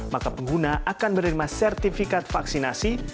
maka pengguna akan menerima sertifikat vaksinasi